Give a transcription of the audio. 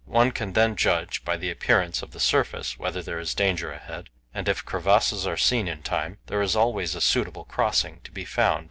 One can then judge by the appearance of the surface whether there is danger ahead; and if crevasses are seen in time, there is always a suitable crossing to be found.